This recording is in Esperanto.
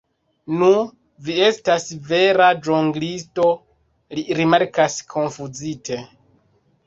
Nu, vi estas vera ĵonglisto, li rimarkas konfuzite.